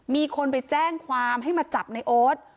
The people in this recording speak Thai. มีคนไปแจ้งความให้มาจับในโอ๊ต